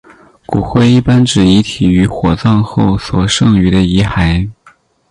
骨灰一般指遗体于火葬后所剩余的遗骸。